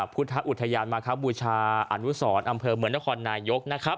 พุทธอุทยานมาบูชาอาณุศรอำเภอเหมือนละครนายก